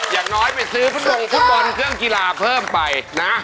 อย่างน้อยไปซื้อฟุตบงฟุตบอลเครื่องกีฬาเพิ่มไปนะ